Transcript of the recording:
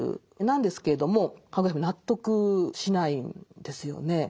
なんですけれどもかぐや姫納得しないんですよね。